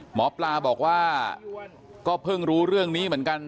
หมอปลาบอกว่าก็เพิ่งรู้เรื่องนี้เหมือนกัน